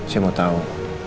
saya mau tau